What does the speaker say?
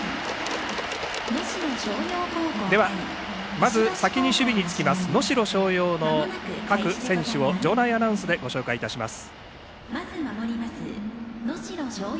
まず先に守備につきます能代松陽の各選手をご紹介いたします。